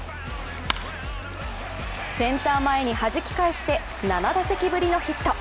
センター前にはじき返して７打席ぶりのヒット。